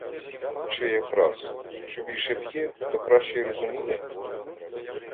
Чи якраз: що більше п'є, то краще й розуміє?